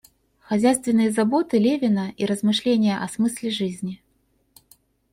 Хозяйственные заботы Левина и размышления о смысле жизни.